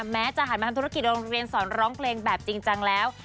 แม้จะหันมาทำธุรกิจโรงเรียนสอนร้องเพลงแบบจริงจังแล้ว